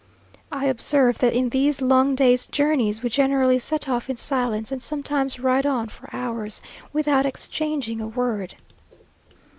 I observe that in these long days' journeys we generally set off in silence, and sometimes ride on for hours without exchanging a word.